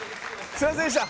すいませんでした。